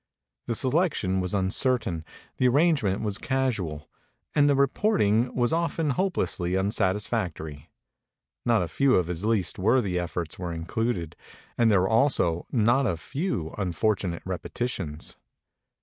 The selection was uncertain; the arrangement was casual; and the reporting was often hopelessly unsatisfactory. Not a few of his least worthy efforts were included; and there were also not a few unfortunate repetitions.